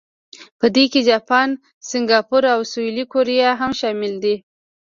په دې کې جاپان، سنګاپور او سویلي کوریا هم شامل دي.